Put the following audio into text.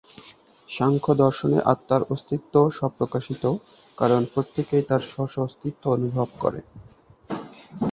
সাংখ্যদর্শনে আত্মার অস্তিত্ব স্ব-প্রকাশিত, কারণ প্রত্যেকেই তার স্ব-স্ব অস্তিত্ব অনুভব করে।